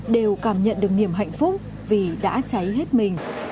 đều cảm nhận được niềm hạnh phúc vì đã cháy hết mình